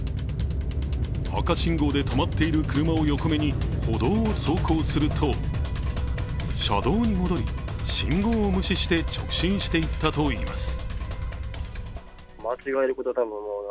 赤信号で止まっている車を横目に歩道を走行すると車道に戻り、信号を無視して直進していったといいます。